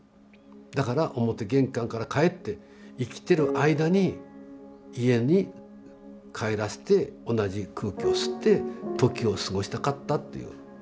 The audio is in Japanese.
だから表玄関から帰って生きてる間に家に帰らせて同じ空気を吸って時を過ごしたかったっていう。